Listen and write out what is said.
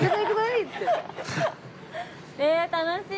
ええ楽しい。